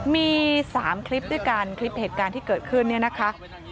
มี๓คลิปด้วยกันคลิปเหตุการณ์ที่เกิดขึ้นเนี่ยนะคะ